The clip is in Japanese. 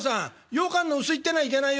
ようかんの薄いってのはいけないよ。